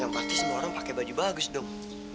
yang pasti semua orang pakai baju bagus dong